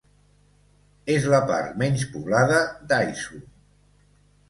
És la part menys poblada d'Aizu.